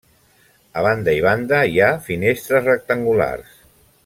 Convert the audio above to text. A banda i banda hi ha finestres rectangulars.